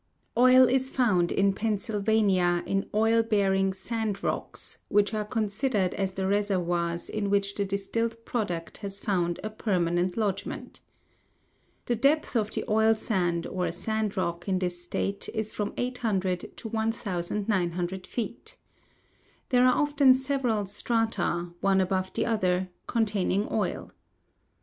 Oil is found in Pennsylvania in oil bearing sand rocks, which are considered as the reservoirs in which the distilled product has found a permanent lodgment. The depth of the oil sand or sand rock in this state is from 800 to 1,900 feet. There are often several strata, one above the other, containing oil.